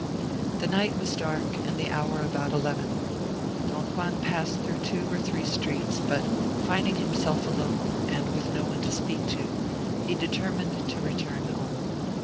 The night was dark, and the hour about eleven. Don Juan passed through two or three streets, but finding himself alone, and with no one to speak to, he determined to return home.